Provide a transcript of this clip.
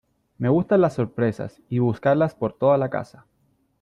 me gustan las sorpresas y buscarlas por toda la casa .